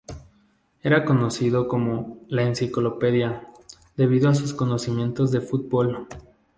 Era conocido como "La enciclopedia" debido a sus conocimientos de fútbol.